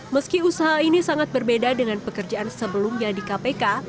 meski usaha ini sangat berbeda dengan pekerjaan sebelumnya di kpk